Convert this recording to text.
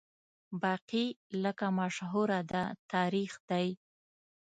باقي لکه مشهوره ده تاریخ دی